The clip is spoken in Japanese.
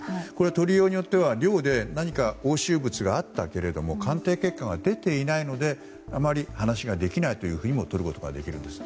取りようによっては寮で何か押収物があったけども鑑定結果が出ていないのであまり話ができてないともとることができるんです。